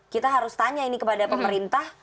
kita harus tanya ini kepada pemerintah